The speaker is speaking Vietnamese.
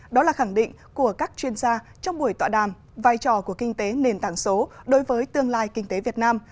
đó là khẳng định của các chuyên gia trong buổi tọa đàm vai trò của kinh tế nền tảng số đối với tương lai kinh tế việt nam